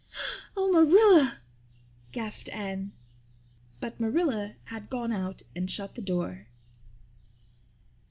"Oh, Marilla," gasped Anne. But Marilla had gone out and shut the door.